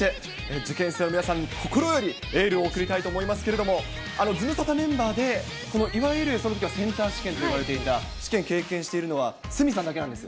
受験生の皆さんに心よりエールを送りたいと思いますけれども、ズムサタメンバーで、いわゆる、そのときはセンター試験と呼ばれていた試験経験しているのは、鷲見さんだけなんですよ。